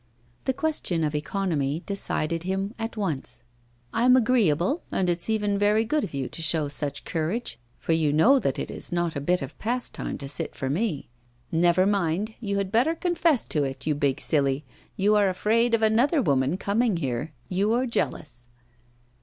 The question of economy decided him at once. 'I'm agreeable, and it's even very good of you to show such courage, for you know that it is not a bit of pastime to sit for me. Never mind, you had better confess to it, you big silly, you are afraid of another woman coming here; you are jealous.